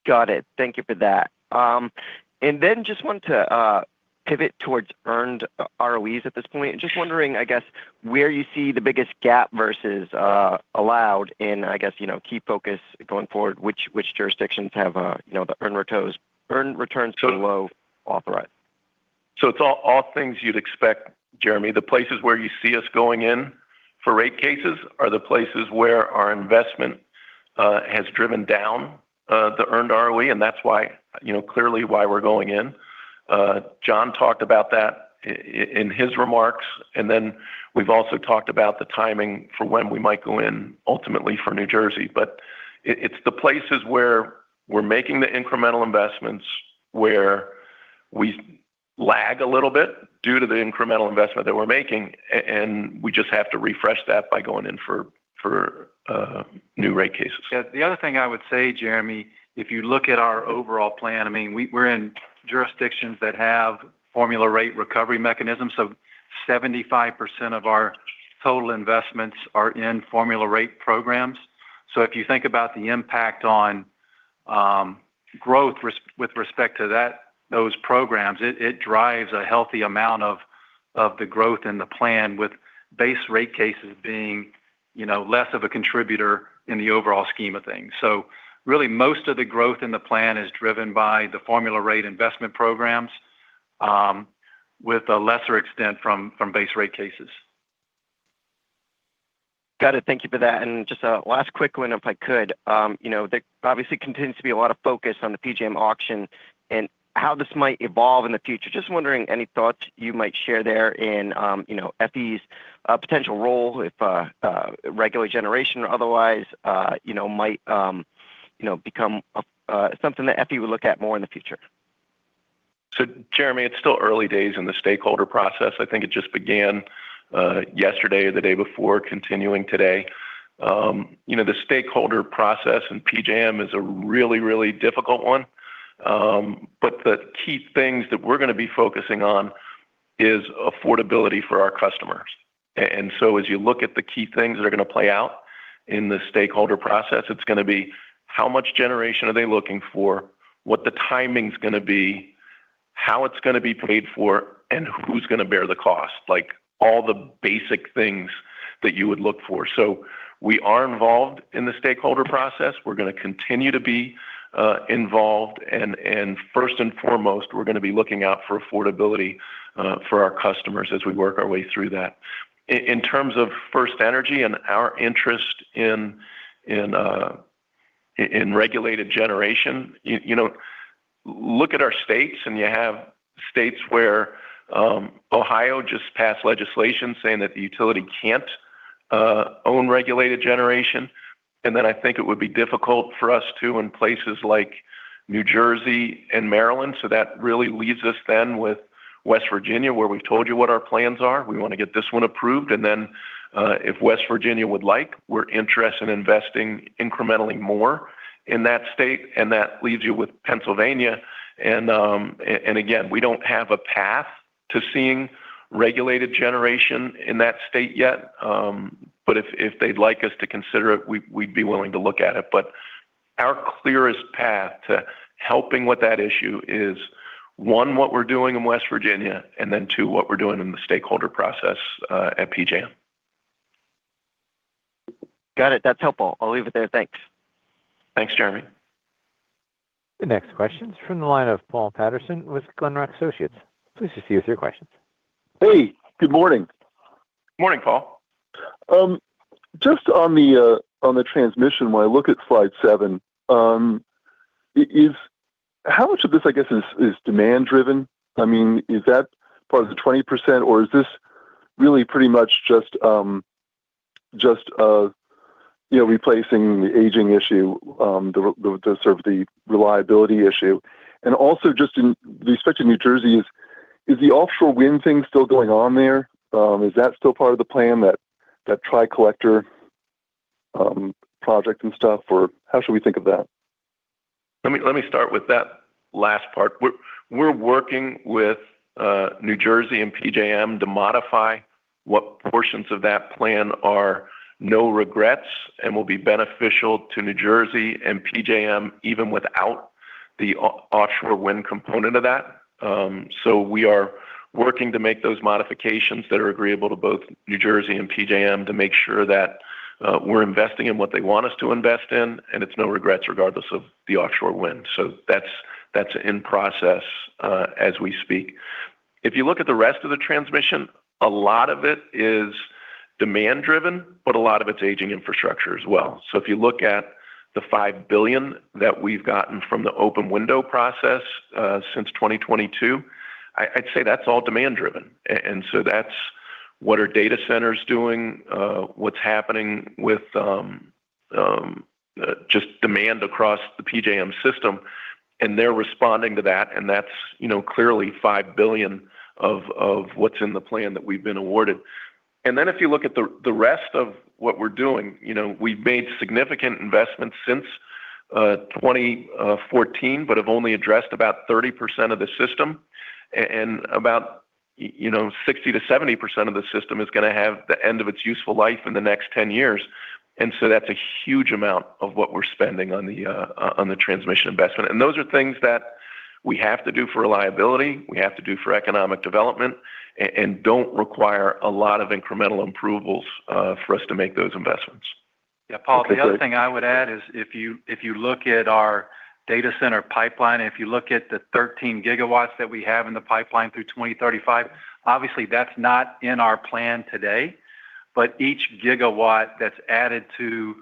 Got it. Thank you for that. And then just want to pivot towards earned ROEs at this point. Just wondering, I guess, where you see the biggest gap versus allowed, I guess, you know, key focus going forward, which jurisdictions have, you know, the earned returns too low authorized? ... So it's all, all things you'd expect, Jeremy. The places where you see us going in for rate cases are the places where our investment has driven down the earned ROE, and that's why, you know, clearly why we're going in. Jon talked about that in his remarks, and then we've also talked about the timing for when we might go in, ultimately for New Jersey. But it's the places where we're making the incremental investments, where we lag a little bit due to the incremental investment that we're making, and we just have to refresh that by going in for new rate cases. Yeah, the other thing I would say, Jeremy, if you look at our overall plan, I mean, we're in jurisdictions that have formula rate recovery mechanisms. So 75% of our total investments are in formula rate programs. So if you think about the impact on growth with respect to that, those programs, it drives a healthy amount of the growth in the plan, with base rate cases being, you know, less of a contributor in the overall scheme of things. So really, most of the growth in the plan is driven by the formula rate investment programs, with a lesser extent from base rate cases. Got it. Thank you for that. And just a last quick one, if I could. You know, there obviously continues to be a lot of focus on the PJM auction and how this might evolve in the future. Just wondering, any thoughts you might share there in, you know, FE's potential role if regular generation or otherwise, you know, might become something that FE would look at more in the future? So, Jeremy, it's still early days in the stakeholder process. I think it just began yesterday or the day before, continuing today. You know, the stakeholder process in PJM is a really, really difficult one, but the key things that we're gonna be focusing on is affordability for our customers. And so as you look at the key things that are gonna play out in the stakeholder process, it's gonna be: how much generation are they looking for, what the timing's gonna be, how it's gonna be paid for, and who's gonna bear the cost? Like, all the basic things that you would look for. So we are involved in the stakeholder process. We're gonna continue to be involved, and first and foremost, we're gonna be looking out for affordability for our customers as we work our way through that. In terms of FirstEnergy and our interest in regulated generation, you know, look at our states, and you have states where Ohio just passed legislation saying that the utility can't own regulated generation. And then I think it would be difficult for us, too, in places like New Jersey and Maryland. So that really leaves us then with West Virginia, where we've told you what our plans are. We want to get this one approved, and then if West Virginia would like, we're interested in investing incrementally more in that state, and that leaves you with Pennsylvania. And again, we don't have a path to seeing regulated generation in that state yet, but if they'd like us to consider it, we'd be willing to look at it. But our clearest path to helping with that issue is, one, what we're doing in West Virginia, and then, two, what we're doing in the stakeholder process at PJM. Got it. That's helpful. I'll leave it there. Thanks. Thanks, Jeremy. The next question is from the line of Paul Patterson with Glenrock Associates. Please just use your questions. Hey, good morning. Morning, Paul. Just on the transmission, when I look at slide 7, is how much of this, I guess, is demand driven? I mean, is that part of the 20%, or is this really pretty much just, you know, replacing the aging issue, the sort of reliability issue? And also just in respect to New Jersey, is the offshore wind thing still going on there? Is that still part of the plan, that Tri-Collector project and stuff, or how should we think of that? Let me start with that last part. We're working with New Jersey and PJM to modify what portions of that plan are no regrets and will be beneficial to New Jersey and PJM, even without the offshore wind component of that. So we are working to make those modifications that are agreeable to both New Jersey and PJM to make sure that we're investing in what they want us to invest in, and it's no regrets, regardless of the offshore wind. So that's in process as we speak. If you look at the rest of the transmission, a lot of it is demand-driven, but a lot of it's aging infrastructure as well. So if you look at the $5 billion that we've gotten from the open window process since 2022, I'd say that's all demand driven. And so that's what the data centers are doing, what's happening with just demand across the PJM system, and they're responding to that, and that's, you know, clearly $5 billion of what's in the plan that we've been awarded. And then if you look at the rest of what we're doing, you know, we've made significant investments since 2014, but have only addressed about 30% of the system. And about, you know, 60%-70% of the system is gonna have the end of its useful life in the next 10 years. And so that's a huge amount of what we're spending on the transmission investment. Those are things that we have to do for reliability, we have to do for economic development, and don't require a lot of incremental approvals for us to make those investments. Yeah, Paul, the other thing I would add is if you look at our data center pipeline, if you look at the 13 gigawatts that we have in the pipeline through 2035, obviously that's not in our plan today. But each gigawatt that's added to,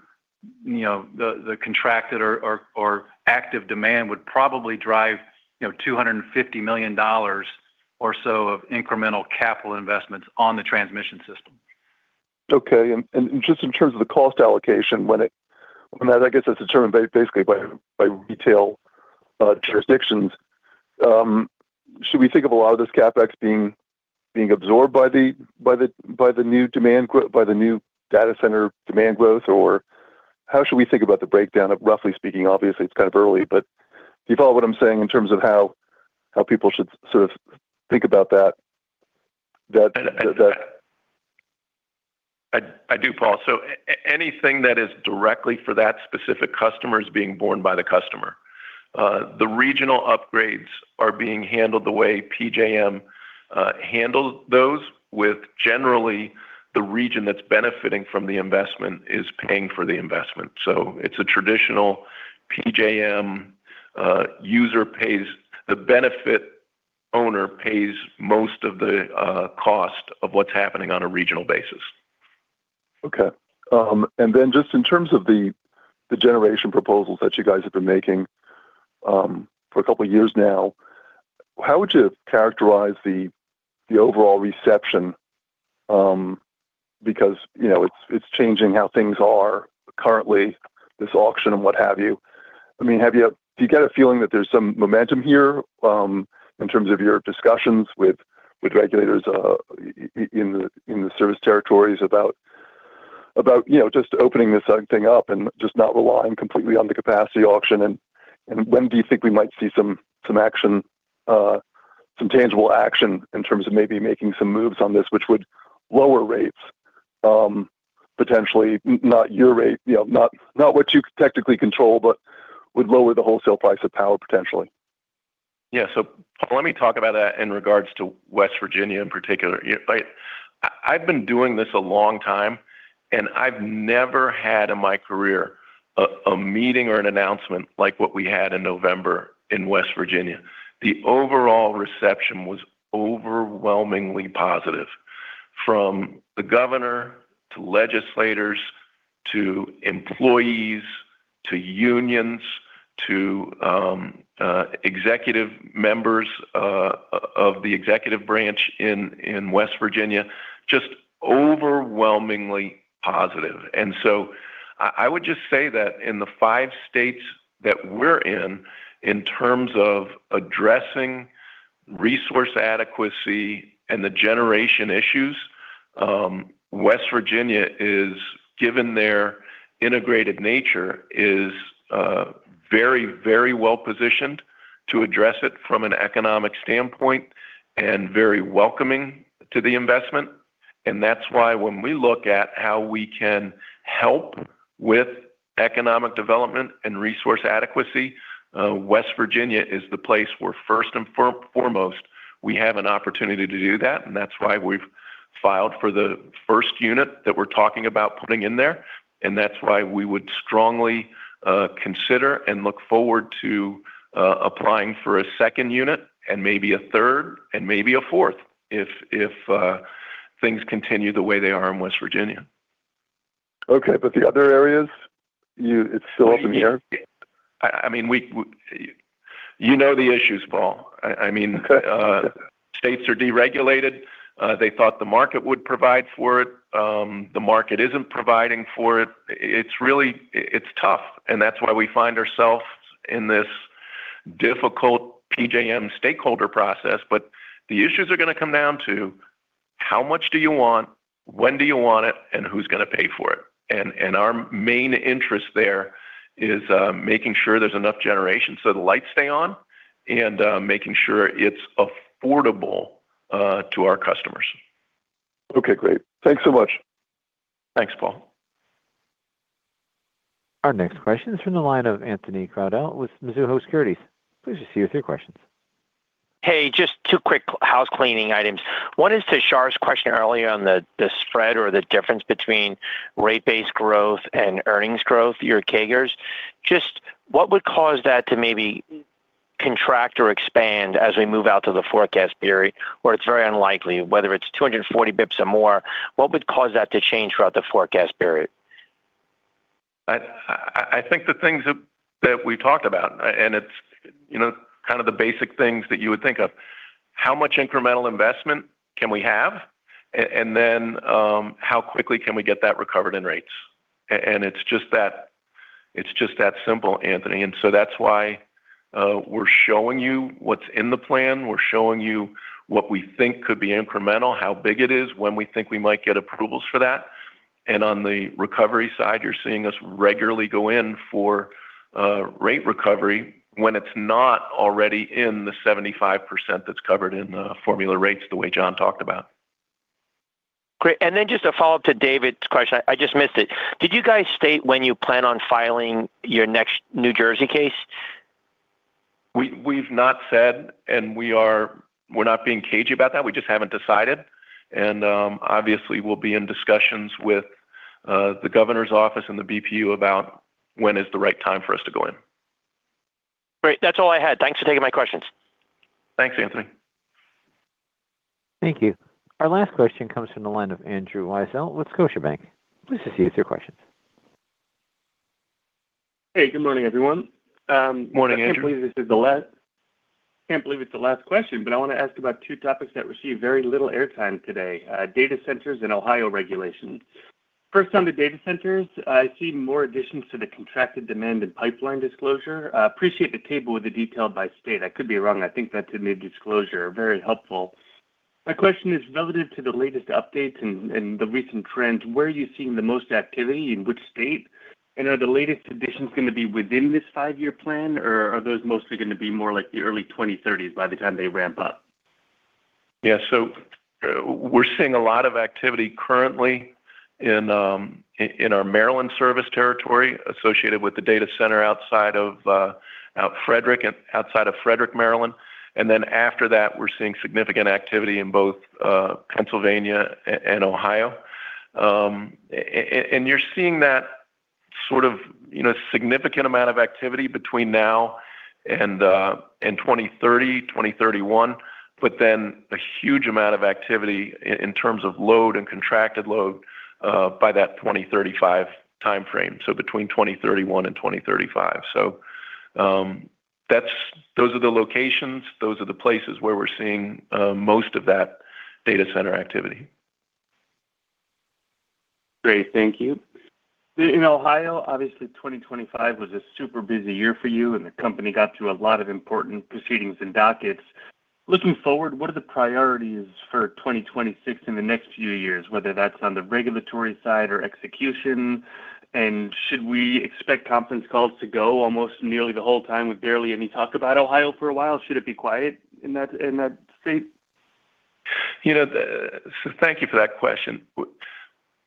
you know, the contracted or active demand would probably drive, you know, $250 million or so of incremental capital investments on the transmission system. Okay. And just in terms of the cost allocation, I guess that's determined basically by retail jurisdictions, should we think of a lot of this CapEx being absorbed by the new data center demand growth? Or how should we think about the breakdown of, roughly speaking, obviously, it's kind of early, but do you follow what I'm saying in terms of how people should sort of think about that? I do, Paul. So anything that is directly for that specific customer is being borne by the customer. The regional upgrades are being handled the way PJM handles those, with generally the region that's benefiting from the investment is paying for the investment. So it's a traditional PJM user pays... The benefit owner pays most of the cost of what's happening on a regional basis. Okay. And then just in terms of the generation proposals that you guys have been making for a couple of years now, how would you characterize the overall reception? Because, you know, it's changing how things are currently, this auction and what have you. I mean, have you, do you get a feeling that there's some momentum here in terms of your discussions with regulators in the service territories about you know, just opening this whole thing up and just not relying completely on the capacity auction? When do you think we might see some action, some tangible action in terms of maybe making some moves on this, which would lower rates potentially, not your rate, you know, not what you technically control, but would lower the wholesale price of power potentially? Yeah. So let me talk about that in regards to West Virginia in particular. Yeah, I, I've been doing this a long time, and I've never had in my career a meeting or an announcement like what we had in November in West Virginia. The overall reception was overwhelmingly positive, from the governor, to legislators, to employees, to unions, to executive members of the executive branch in West Virginia, just overwhelmingly positive. And so I would just say that in the five states that we're in, in terms of addressing resource adequacy and the generation issues, West Virginia is, given their integrated nature, very, very well positioned to address it from an economic standpoint and very welcoming to the investment. And that's why when we look at how we can help with economic development and resource adequacy, West Virginia is the place where first and foremost, we have an opportunity to do that, and that's why we've filed for the first unit that we're talking about putting in there. And that's why we would strongly consider and look forward to applying for a second unit, and maybe a third, and maybe a fourth, if things continue the way they are in West Virginia. Okay, but the other areas, it's still up in the air? I mean, we—you know the issues, Paul. I mean, states are deregulated. They thought the market would provide for it. The market isn't providing for it. It's really, it's tough, and that's why we find ourselves in this difficult PJM stakeholder process. But the issues are going to come down to: how much do you want, when do you want it, and who's going to pay for it? And our main interest there is making sure there's enough generation so the lights stay on, and making sure it's affordable to our customers. Okay, great. Thanks so much. Thanks, Paul. Our next question is from the line of Anthony Crowdell with Mizuho Securities. Please just give your three questions. Hey, just two quick housecleaning items. One is to Shar's question earlier on the, the spread or the difference between rate-based growth and earnings growth, your CAGRs. Just what would cause that to maybe contract or expand as we move out to the forecast period, or it's very unlikely, whether it's 240 basis points or more, what would cause that to change throughout the forecast period? I think the things that we talked about, and it's, you know, kind of the basic things that you would think of: How much incremental investment can we have? And then, how quickly can we get that recovered in rates? And it's just that, it's just that simple, Anthony. And so that's why, we're showing you what's in the plan. We're showing you what we think could be incremental, how big it is, when we think we might get approvals for that. And on the recovery side, you're seeing us regularly go in for, rate recovery when it's not already in the 75% that's covered in the formula rates, the way Jon talked about. Great. And then just a follow-up to David's question. I just missed it. Did you guys state when you plan on filing your next New Jersey case?... We've not said, and we're not being cagey about that. We just haven't decided. And, obviously, we'll be in discussions with the governor's office and the BPU about when is the right time for us to go in. Great. That's all I had. Thanks for taking my questions. Thanks, Anthony. Thank you. Our last question comes from the line of Andrew Weisel with Scotiabank. Please proceed with your questions. Hey, good morning, everyone. Morning, Andrew. I can't believe it's the last question, but I want to ask about two topics that received very little airtime today: data centers and Ohio regulations. First, on the data centers, I see more additions to the contracted demand and pipeline disclosure. I appreciate the table with the detail by state. I could be wrong. I think that's a new disclosure. Very helpful. My question is relative to the latest updates and the recent trends, where are you seeing the most activity, in which state? And are the latest additions gonna be within this five-year plan, or are those mostly gonna be more like the early 2030s by the time they ramp up? Yeah. So we're seeing a lot of activity currently in our Maryland service territory, associated with the data center outside of Frederick and outside of Frederick, Maryland. And then after that, we're seeing significant activity in both Pennsylvania and Ohio. You're seeing that sort of, you know, significant amount of activity between now and 2030, 2031, but then a huge amount of activity in terms of load and contracted load by that 2035 timeframe, so between 2031 and 2035. So that's those are the locations, those are the places where we're seeing most of that data center activity. Great. Thank you. In Ohio, obviously, 2025 was a super busy year for you, and the company got through a lot of important proceedings and dockets. Looking forward, what are the priorities for 2026 in the next few years, whether that's on the regulatory side or execution? And should we expect conference calls to go almost nearly the whole time with barely any talk about Ohio for a while? Should it be quiet in that state? You know, so thank you for that question.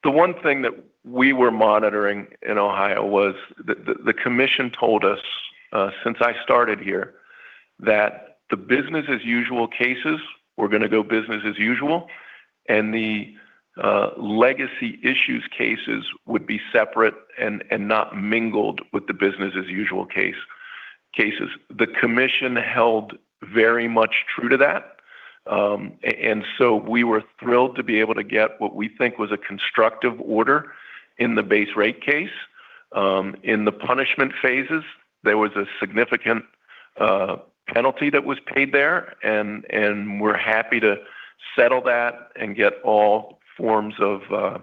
The one thing that we were monitoring in Ohio was the commission told us, since I started here, that the business as usual cases were gonna go business as usual, and the legacy issues cases would be separate and not mingled with the business as usual cases. The commission held very much true to that. And so we were thrilled to be able to get what we think was a constructive order in the base rate case. In the punishment phases, there was a significant penalty that was paid there, and we're happy to settle that and get all forms of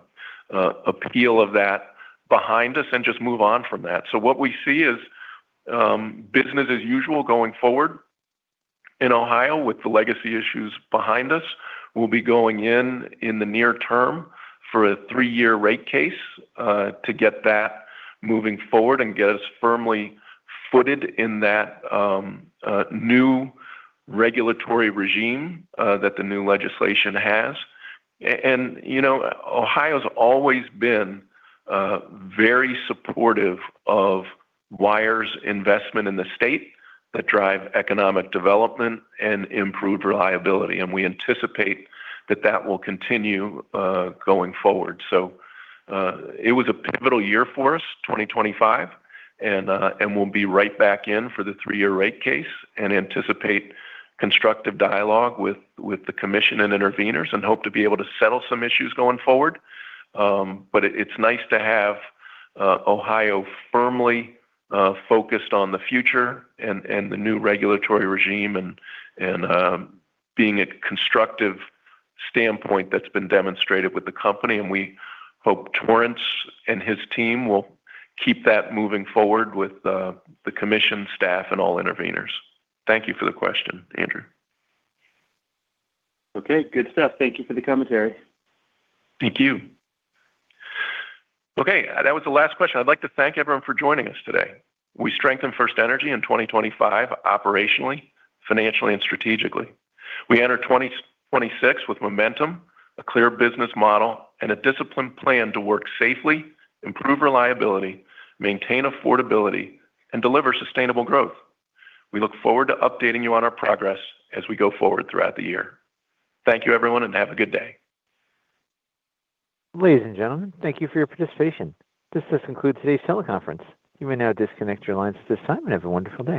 appeal of that behind us and just move on from that. So what we see is business as usual going forward in Ohio with the legacy issues behind us. We'll be going in, in the near term for a three-year rate case to get that moving forward and get us firmly footed in that new regulatory regime that the new legislation has. And, you know, Ohio's always been very supportive of wires investment in the state that drive economic development and improved reliability, and we anticipate that that will continue going forward. So it was a pivotal year for us, 2025, and we'll be right back in for the three-year rate case and anticipate constructive dialogue with the commission and interveners and hope to be able to settle some issues going forward. It's nice to have Ohio firmly focused on the future and the new regulatory regime and being a constructive standpoint that's been demonstrated with the company, and we hope Torrence and his team will keep that moving forward with the commission, staff, and all intervenors. Thank you for the question, Andrew. Okay, good stuff. Thank you for the commentary. Thank you. Okay, that was the last question. I'd like to thank everyone for joining us today. We strengthened FirstEnergy in 2025 operationally, financially, and strategically. We enter 2026 with momentum, a clear business model, and a disciplined plan to work safely, improve reliability, maintain affordability, and deliver sustainable growth. We look forward to updating you on our progress as we go forward throughout the year. Thank you, everyone, and have a good day. Ladies and gentlemen, thank you for your participation. This does conclude today's teleconference. You may now disconnect your lines at this time, and have a wonderful day.